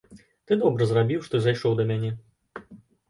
Ты добра зрабіў, што зайшоў да мяне.